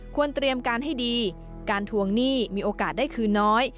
เตรียมการให้ดีการทวงหนี้มีโอกาสได้คืนน้อย